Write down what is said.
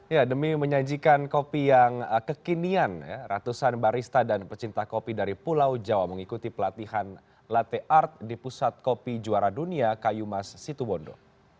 ya demi menyajikan kopi yang kekinian ratusan barista dan pecinta kopi dari pulau jawa mengikuti pelatihan latte art di pusat kopi juara dunia kayu mas situbondo